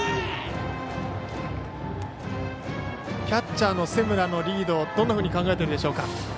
キャッチャーの瀬村のリードどんなふうに考えてるでしょうか。